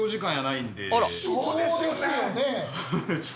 そうですよね！